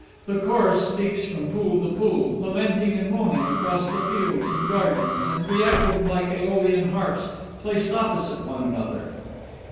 The chorus speaks from pool to pool, lamenting and moaning across the fields and gardens, and re echoing like AEolian harps placed opposite one another."